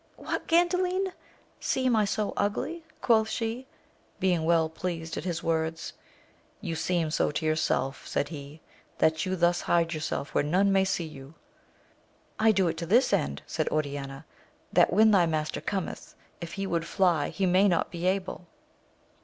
What, Gandalin! seem I so ugly] quoth she, being well pleased at his words. You seem so to yourself, said he, that you thus hide yourself where none may see you. I do it to this end, said Oriana, that, when thy master cometh, if he would fly, he may not be able.